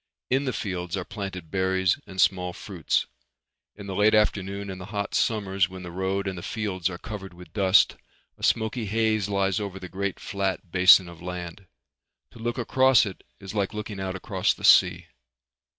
In the fields are planted berries and small fruits. In the late afternoon in the hot summers when the road and the fields are covered with dust, a smoky haze lies over the great flat basin of land. To look across it is like looking out across the sea.